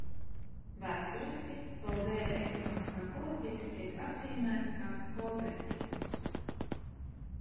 Vēsturiski Kolbēra ekonomiskā politika tiek apzīmēta kā kolbertisms.